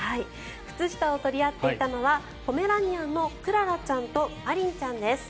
靴下を取り合っていたのはポメラニアンのクララちゃんとマリンちゃんです。